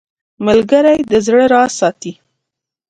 ملګری د زړه راز ساتي